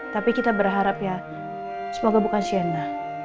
tapi kita berharap ya semoga bukan shena